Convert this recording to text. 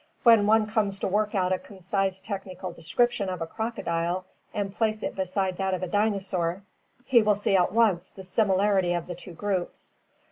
When one comes to work out a concise technical description of a crocodile and place it beside that of a dinosaur, he will at once see the similar ity of the two groups.